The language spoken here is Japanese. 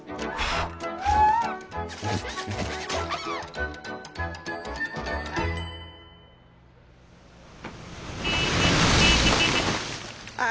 ああ。